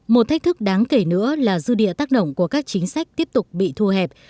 một thách thức đáng kể nữa là dư địa tác động của các chính sách tiếp tục bị thua hẹp